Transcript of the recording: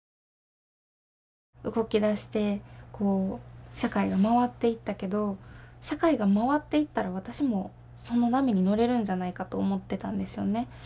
動き出してこう社会が回っていったけど社会が回っていったら私もその波に乗れるんじゃないかと思ってたんですよね。